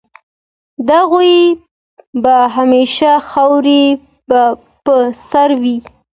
د هغوی به همېشه خاوري په سر وي